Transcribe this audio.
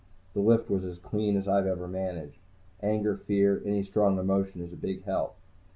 The lift was as clean as I've ever managed. Anger, fear, any strong emotion, is a big help.